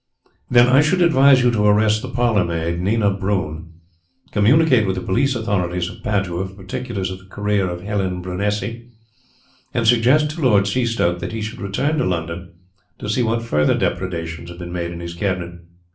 "Then I should advise you to arrest the parlourmaid, Nina Brun, communicate with the police authorities of Padua for particulars of the career of Helene Brunesi, and suggest to Lord Seastoke that he should return to London to see what further depredations have been made in his cabinet."